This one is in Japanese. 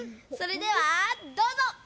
それではどうぞ！